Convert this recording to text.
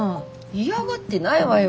イヤがってないわよ。